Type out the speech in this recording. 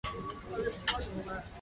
她的一双儿女现都在北美定居。